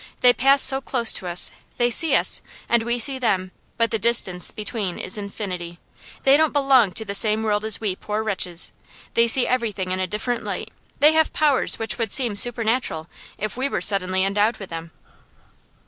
They pass so close to us; they see us, and we see them; but the distance between is infinity. They don't belong to the same world as we poor wretches. They see everything in a different light; they have powers which would seem supernatural if we were suddenly endowed with them.